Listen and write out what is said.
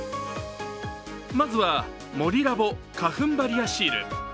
まずはモリラボ花粉バリアシール。